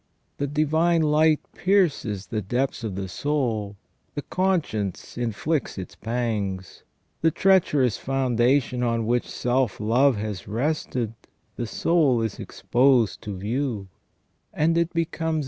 The divine light pierces the depth of the soul, the conscience inflicts its pangs, the treacherous foundation on which self love has rested the soul is exposed to view ; and it becomes SELF AND CONSCIENCE.